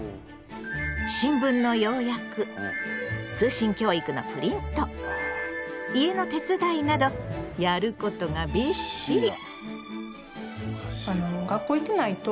新聞の要約通信教育のプリント家の手伝いなどやることがびっしり。